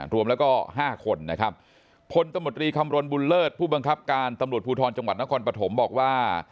รวมแล้วก็๕คนผลตคมรณ์บุญเลิศผู้บังกับการตภูทรจังหวัดนคปฐมบอกว่า